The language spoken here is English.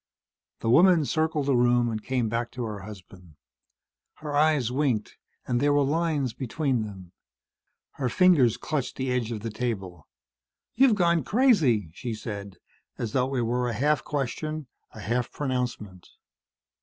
The woman circled the room and came back to her husband. Her eyes winked, and there were lines between them. Her fingers clutched the edge of the table. "You've gone crazy," she said, as though it were a half question, a half pronouncement.